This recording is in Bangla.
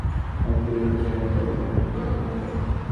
তোমরা প্রথম হইতে শেষ পর্যন্ত একরূপই ছিলে, কেবল যবনিকাটির পরিবর্তন হইল।